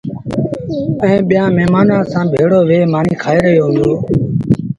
ائيٚݩٚ ٻيآݩ مهمآݩآنٚ سآݩٚ ڀيڙو ويه مآݩيٚ کآئي رهيو هُݩدو۔